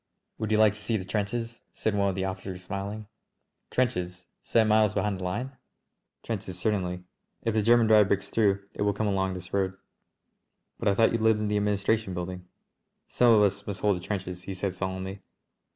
"Would you like to see the trenches?" said one of the officers, smiling. "Trenches? Seven miles behind the line?" "Trenches certainly. If the German drive breaks through it will come along this road." "But I thought you lived in the administration building?" "Some of us must hold the trenches," he said solemnly.